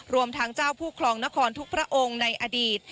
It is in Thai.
รวมทั้งเจ้าผู้ครองนครทุกพระองค์ในอดีต